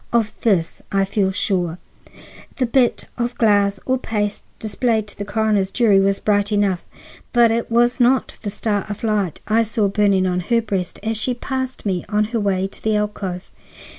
Of this I feel sure. The bit of glass or paste displayed to the coroner's jury was bright enough, but it was not the star of light I saw burning on her breast as she passed me on her way to the alcove."